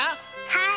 はい！